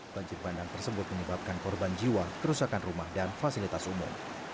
banjir bandang tersebut menyebabkan korban jiwa kerusakan rumah dan fasilitas umum